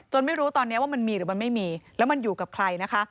ไม่รู้ตอนนี้ว่ามันมีหรือมันไม่มีแล้วมันอยู่กับใครนะคะ